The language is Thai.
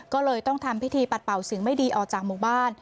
ก็เลยต้องทำพิธีปัดเป่าสิ่งไม่ดีออกจากหมู่บ้าน